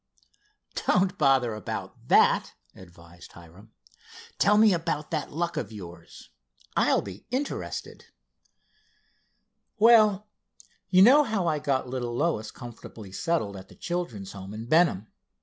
"Don't bother about that," advised Hiram. "Tell me about that luck of yours. I'll be interested." "Well, you know how I got little Lois comfortably settled at that children's home at Benham.